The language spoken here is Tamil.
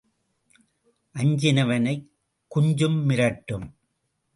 அஞ்சினவனைக் குஞ்சும் மிரட்டும்.